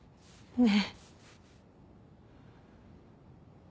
ねえ。